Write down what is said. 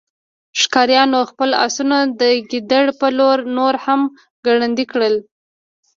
ښکاریانو خپل آسونه د ګیدړ په لور نور هم ګړندي کړل